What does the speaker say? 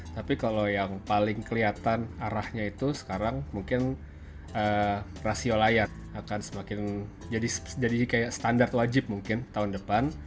tapi kalau yang paling kelihatan arahnya itu sekarang mungkin rasio layar akan semakin jadi kayak standar wajib mungkin tahun depan